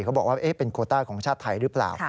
เขาบอกว่าเป็นโคต้าของชาติไทยหรือเปล่า